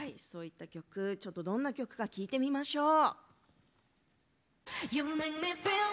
ちょっとどんな曲か聴いてみましょう。